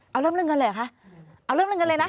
เอาเริ่มเรื่องเงินเลยเหรอคะเอาเริ่มเรื่องเงินเลยนะ